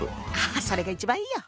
ああそれが一番いいよ。